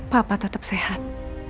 papa tetap sehat